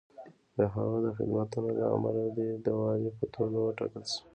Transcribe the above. د هغه د خدمتونو له امله دی د والي په توګه وټاکل شو.